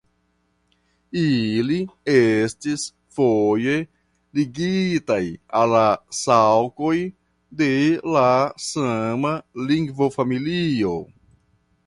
Ili estis foje ligitaj al la Saŭkoj de la sama lingvofamilio.